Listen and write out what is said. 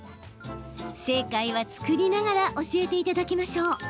正解は、作りながら教えていただきましょう。